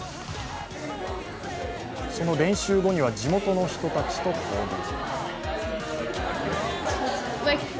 その練習後には地元の人たちと交流。